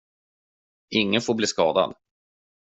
Ingen får bli skadad.